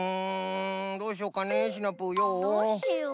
どうしようかねシナプーよ。